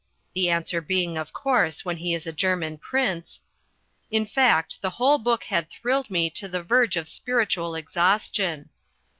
(the answer being, of course, when he is a German Prince) in fact, the whole book had thrilled me to the verge of spiritual exhaustion.